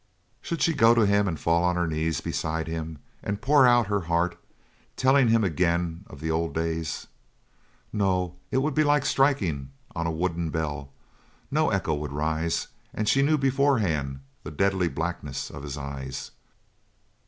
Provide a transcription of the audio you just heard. Should she go to him and fall on her knees beside him and pour out her heart, telling him again of the old days. No, it would be like striking on a wooden bell; no echo would rise; and she knew beforehand the deadly blackness of his eyes.